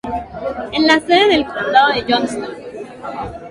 Es la sede del condado de Johnston.